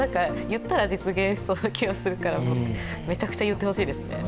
言ったら実現しそうな気がするから、めちゃくちゃ言ってほしいですね。